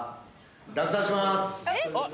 落札します。